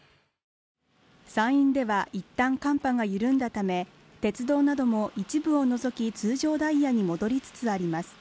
山陰ではいったん寒波が緩んだため鉄道なども一部を除き通常ダイヤに戻りつつあります